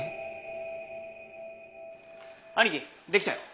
兄貴できたよ。